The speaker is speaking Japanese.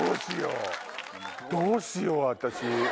どうしよう！